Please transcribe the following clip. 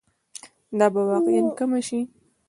دا به واقعاً کمه شي.